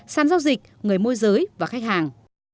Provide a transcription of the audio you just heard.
sàn giao dịch người môi giới và khách hàng